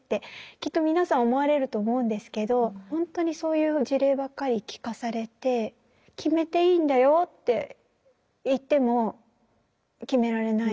きっと皆さん思われると思うんですけどほんとにそういう事例ばっかり聞かされて決めていいんだよって言っても決められない。